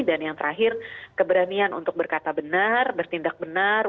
dan yang terakhir keberanian untuk berkata benar bertindak benar